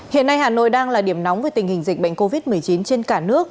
hiện nay hà nội đang là điểm nóng về tình hình dịch bệnh covid một mươi chín trên cả nước